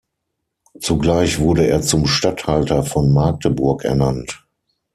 Zugleich wurde er zum Statthalter von Magdeburg ernannt.